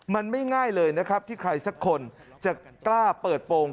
มันไม่ง่ายเลยนะครับที่ใครสักคนจะกล้าเปิดโปรง